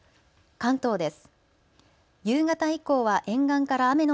関東です。